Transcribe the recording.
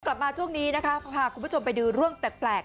กลับมาช่วงนี้นะคะพาคุณผู้ชมไปดูเรื่องแปลก